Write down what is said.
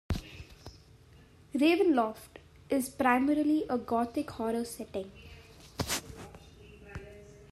"Ravenloft" is primarily a Gothic horror setting.